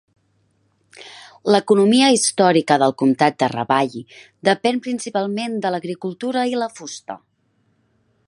L'economia històrica del comtat de Ravalli depèn principalment de l'agricultura i la fusta.